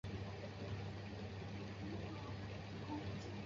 定理中对于特征的限制则与后来由岩泽健吉和除去。